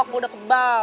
aku udah kebal